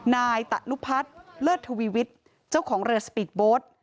นายตะลุพัฒน์เลิศทวีวิทย์เจ้าของเรือสปีดโบสต์